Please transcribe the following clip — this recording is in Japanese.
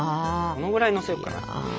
このぐらいのせようかな。